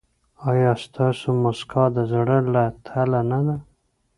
ایا ستاسو مسکا د زړه له تله نه ده؟